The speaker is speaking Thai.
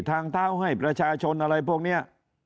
ทางเท้าให้ประชาชนอะไรพวกนี้